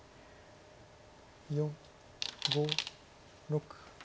４５６。